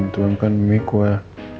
tuangkan mie ku ya